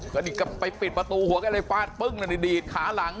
ก็นี่ก็ไปปิดประตูหัวก็เลยฟาดปึ้งดีดขาหลัง